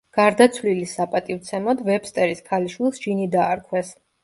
გარდაცვლილის საპატივცემოდ, ვებსტერის ქალიშვილს ჯინი დაარქვეს.